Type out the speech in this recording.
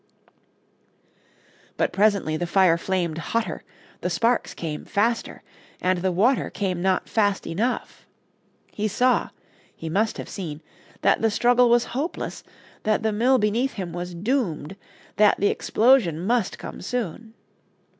But presently the fire flamed hotter, the sparks came faster, and the water came not fast enough. He saw he must have seen that the struggle was hopeless, that the mill beneath him was doomed, that the explosion must come soon.